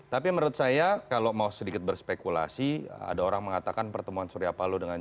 tapi menurut saya kalau mau sedikit berspekulasi ada orang mengatakan pertemuan surya palo dengan